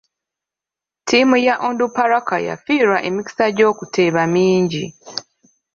Ttiimu ya Onduparaka yafiirwa emikisa gy'okuteeba mingi.